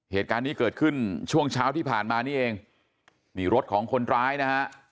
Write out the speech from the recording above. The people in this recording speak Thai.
เหตุการณ์นี้เกิดขึ้นช่วงเช้าที่ผ่านมานี่เองนี่รถของคนร้ายนะฮะ